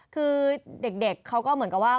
คือเด็กเขาก็เหมือนกับว่า